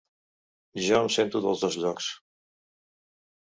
Jo em sento dels dos llocs.